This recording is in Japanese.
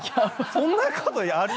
そんなことやります